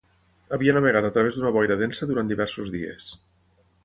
Havia navegat a través d'una boira densa durant diversos dies.